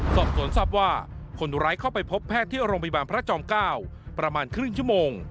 สอบสวนทรัพย์ว่าคนร้ายเข้าไปพบแพทย์ที่โรงพยาบาลพระจอม๙ประมาณครึ่งชั่วโมง